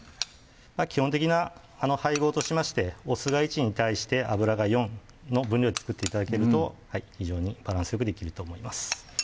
基本的な配合としましてお酢が１に対して油が４の分量で作って頂けると非常にバランスよくできると思います